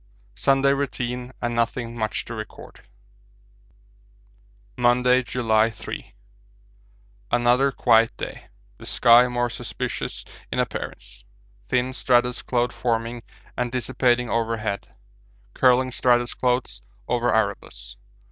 Sunday routine and nothing much to record. Monday, July 3. Another quiet day, the sky more suspicious in appearance. Thin stratus cloud forming and dissipating overhead, curling stratus clouds over Erebus.